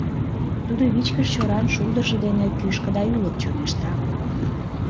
Тудо вичкыж чоран шулдыржо дене кӱшкӧ да ӱлык чоҥешта.